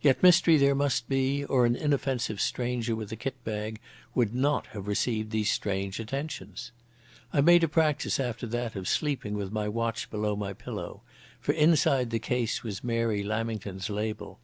Yet mystery there must be, or an inoffensive stranger with a kit bag would not have received these strange attentions. I made a practice after that of sleeping with my watch below my pillow, for inside the case was Mary Lamington's label.